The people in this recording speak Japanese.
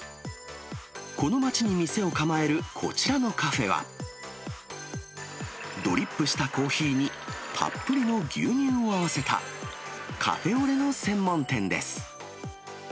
この街に店を構えるこちらのカフェは、ドリップしたコーヒーに、たっぷりの牛乳を合わせた、カフェオレの専門店です。